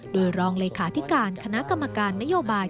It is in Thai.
โดยรองเลขาธิการคณะกรรมการนโยบาย